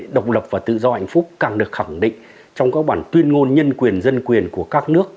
độc lập và tự do hạnh phúc càng được khẳng định trong các bản tuyên ngôn nhân quyền dân quyền của các nước